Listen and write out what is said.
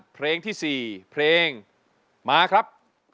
เพลงที่๔เพลงมาครับ